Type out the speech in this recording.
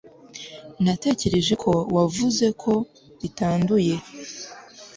Natekereje ko wavuze ko bitanduye